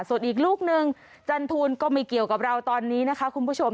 ส่วนอีกลูกนึงจันทูลก็ไม่เกี่ยวกับเราตอนนี้นะคะคุณผู้ชม